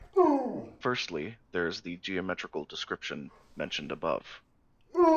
Firstly, there is the geometrical description mentioned above.